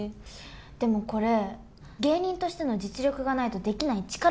でもこれ芸人としての実力がないとできない力技ですよ。